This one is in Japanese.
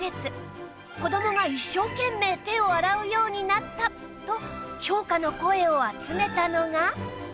子どもが一生懸命手を洗うようになったと評価の声を集めたのが